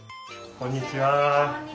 こんにちは。